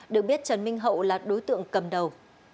được biết trần minh hậu là đối tượng cầm đầu